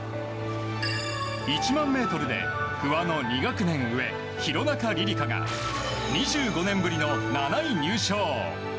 １００００ｍで不破の２学年上廣中璃梨佳が２５年ぶりの７位入賞。